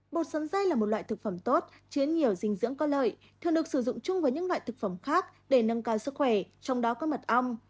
bột sắn dây là một loại thực phẩm tốt chứa nhiều dinh dưỡng có lợi thường được sử dụng chung với những loại thực phẩm khác để nâng cao sức khỏe trong đó có mật ong